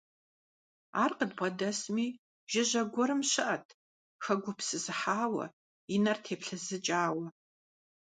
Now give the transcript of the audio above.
Ар къыдбгъэдэсми жыжьэ гуэрым щыӀэт, хэгупсысыхьауэ, и нэр теплъызыкӀауэ.